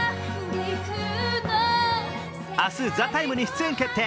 明日、「ＴＨＥＴＩＭＥ，」に出演決定。